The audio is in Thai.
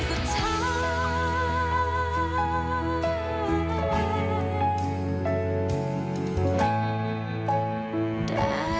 จะย้ำเตือนกับเธอว่ารักเธอจนนาทีสุดท้าย